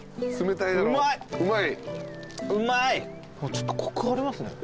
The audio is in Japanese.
ちょっとコクありますね。